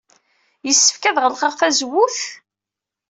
Yessefk ad ɣelqeɣ tazewwut?